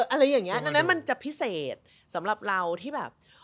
อะไรอย่างนี้ดังนั้นมันจะพิเศษสำหรับเราที่แบบ